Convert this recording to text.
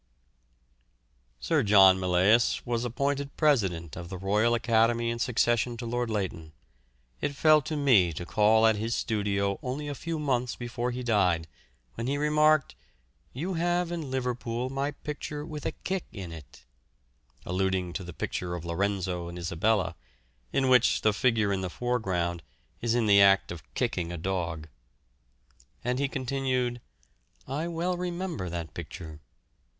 Sir John Millais was appointed President of the Royal Academy in succession to Lord Leighton. It fell to me to call at his studio only a few months before he died, when he remarked: "You have in Liverpool my picture with a kick in it" (alluding to the picture of "Lorenzo and Isabella," in which the figure in the foreground is in the act of kicking a dog), and he continued, "I well remember that picture."